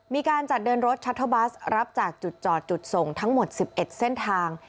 มีการจัดเดินรถชัตเทอร์บัสรับจากจุดจอดจุดส่งทั้งหมด๑๑เส้นทาง